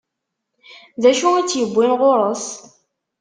D acu i tt-iwwin ɣur-s?